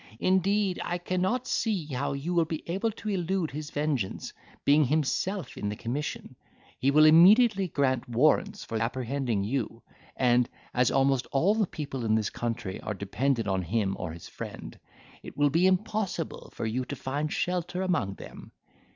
Indeed, I cannot see how you will be able to elude his vengeance; being himself in the commission, he will immediately grant warrants for apprehending you; and, as almost all the people in this country are dependent on him or his friend, it will be impossible for you to find shelter among them.